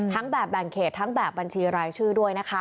ทั้งแบบแบ่งเขตและบัญชีรายชื่อด้วย